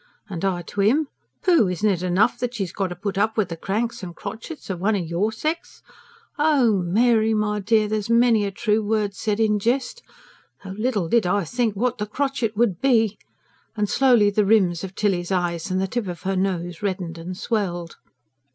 And I to him: 'Pooh! Isn't it enough that she's got to put up with the cranks and crotchets of one o' YOUR sect?' Oh Mary, my dear, there's many a true word said in jest. Though little did I think what the crotchet would be." And slowly the rims of Tilly's eyes and the tip of her nose reddened and swelled.